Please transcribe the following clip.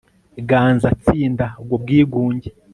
ganza tsinda ubwo bwigunge